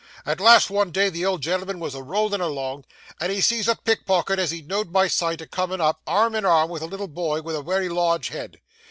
At last, one day the old gen'l'm'n was a rollin' along, and he sees a pickpocket as he know'd by sight, a coming up, arm in arm with a little boy with a wery large head.